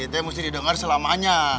itu yang mesti didengar selamanya